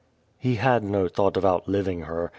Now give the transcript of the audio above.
He had no thought of outliving her.